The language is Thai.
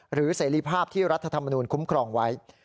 เสรีภาพที่รัฐธรรมนูลคุ้มครองไว้